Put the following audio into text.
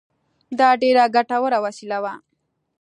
دا ډېره ګټوره وسیله وه.